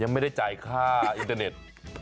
ไม่ได้จ่ายค่าอินเตอร์เน็ต